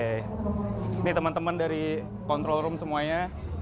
ini teman teman dari control room semuanya